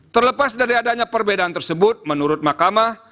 terlepas dari adanya perbedaan tersebut menurut mahkamah